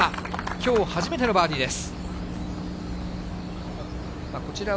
きょう初めてのバーディーです。